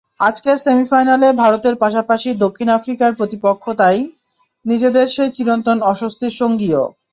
আজকের সেমিফাইনালে ভারতের পাশাপাশি দক্ষিণ আফ্রিকার প্রতিপক্ষ তাই নিজেদের সেই চিরন্তন অস্বস্তির সঙ্গীও।